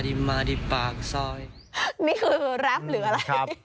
นี่คือแรปหรืออะไร